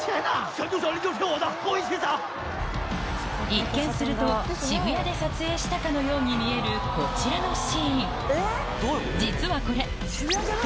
一見すると渋谷で撮影したかのように見えるこちらのシーン